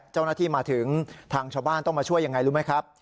เจ้าหน้าที่มาถึงทางชาวบ้านต้องมาช่วยยังไงรู้ไหมครับ